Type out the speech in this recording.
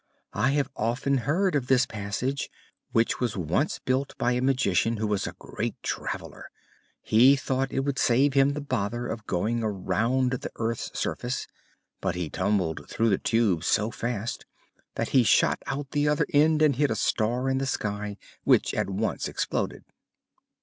"I have often heard of this passage, which was once built by a Magician who was a great traveler. He thought it would save him the bother of going around the earth's surface, but he tumbled through the Tube so fast that he shot out at the other end and hit a star in the sky, which at once exploded."